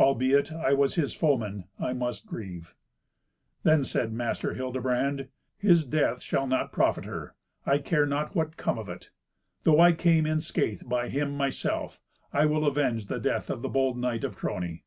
Albeit I was his foeman, I must grieve." Then said Master Hildebrand, "His death shall not profit her. I care not what come of it. Though I came in scathe by him myself, I will avenge the death of the bold knight of Trony."